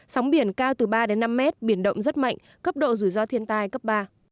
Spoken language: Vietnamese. sóng biển cao từ ba đến năm mét biển động rất mạnh cấp độ rủi ro thiên tai cấp ba